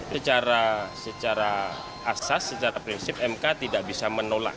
secara asas secara prinsip mk tidak bisa menolak